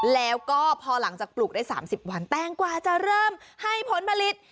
แล้วก็พอหลังจากปลูกได้๓๐วันแตงกว่าจะเริ่มให้ผลผลิต